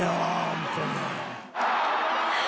ホントに」